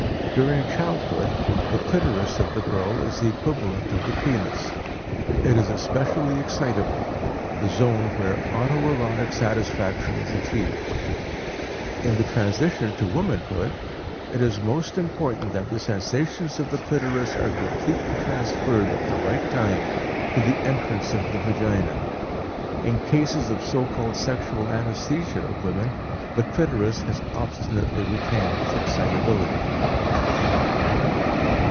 During childhood, the clitoris of the girl is the equivalent of the penis; it is especially excitable, the zone where auto erotic satisfaction is achieved. In the transition to womanhood it is most important that the sensations of the clitoris are completely transferred at the right time to the entrance of the vagina. In cases of so called sexual anesthesia of women the clitoris has obstinately retained its excitability.